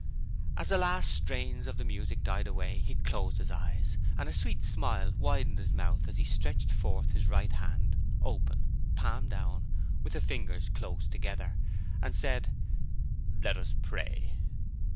As the last strains of the music died away, he closed his eyes and a sweet smile widened his mouth as he stretched forth his right hand, open, palm down, with the fingers close together, and said: 'Let us pray.'